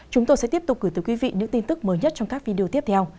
chúng tôi sẽ tiếp tục gửi tới quý vị những tin tức mới nhất trong các video tiếp theo